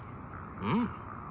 うん。